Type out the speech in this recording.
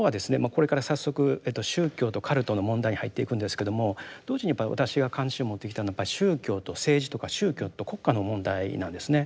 これから早速宗教とカルトの問題に入っていくんですけども同時にやっぱり私が関心を持ってきたのは宗教と政治とか宗教と国家の問題なんですね。